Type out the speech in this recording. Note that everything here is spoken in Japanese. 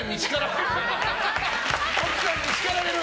奥さんにしかられる。